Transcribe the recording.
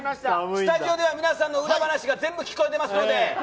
スタジオでは、皆さんの裏話が全部聞こえてますので。